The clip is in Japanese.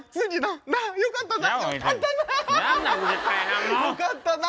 よかったな。